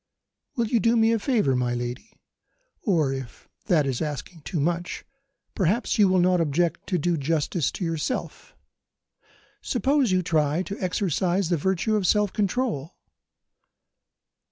"Will you do me a favour, my lady? Or, if that is asking too much, perhaps you will not object to do justice to yourself. Suppose you try to exercise the virtue of self control?